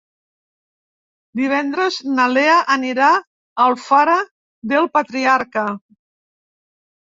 Divendres na Lea anirà a Alfara del Patriarca.